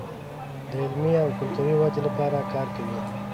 د علمي او کلتوري ودې لپاره کار کوي.